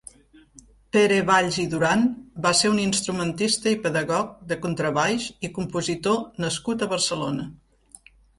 Pere Valls i Duran va ser un instrumentista i pedagog de contrabaix i compositor nascut a Barcelona.